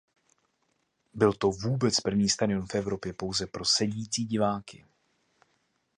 Byl to vůbec první stadion v Evropě pouze pro sedící diváky.